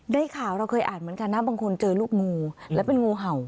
ได้ข่าวเราเคยอ่านเหมือนกันนะบางคนเจอลูกงูและเป็นงูเห่า